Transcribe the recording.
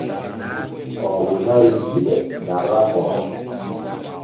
Oo wonorii jiɓe gam rafoo.